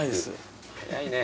早いね。